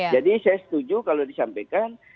jadi saya setuju kalau disampaikan